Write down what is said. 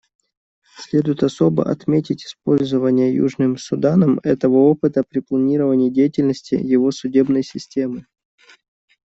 Следует особо отметить использование Южным Суданом этого опыта при планировании деятельности его судебной системы.